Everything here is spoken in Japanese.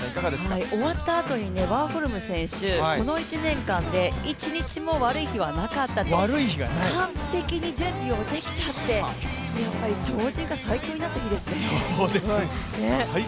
終わったあとにワーホルム選手、この１年間で１日も悪い日はなかったって完璧に準備をできたってやっぱり超人が最強になった日ですね。